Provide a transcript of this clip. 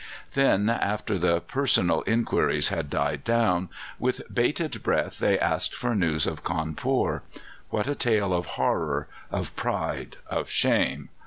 Then, after the personal inquiries had died down, with bated breath they asked for news of Cawnpore. What a tale of horror, of pride, of shame!